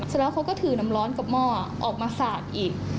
เสร็จแล้วเขาก็ถือน้ำร้อนกับหม้อออกมาสาดอีก